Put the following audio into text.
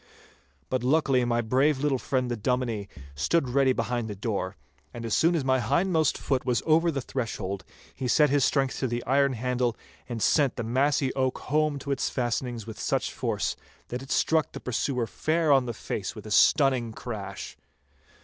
But luckily my brave little friend the Dominie stood ready behind the door, and as soon as my hindmost foot was over the threshold, he set his strength to the iron handle and sent the massy oak home to its fastenings with such force that it struck the pursuer fair on the face with a stunning crash.